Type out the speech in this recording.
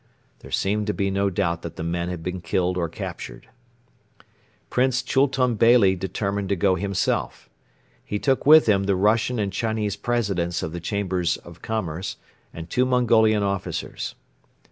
There seemed to be no doubt that the men had been killed or captured. Prince Chultun Beyli determined to go himself. He took with him the Russian and Chinese Presidents of the Chambers of Commerce and two Mongolian officers.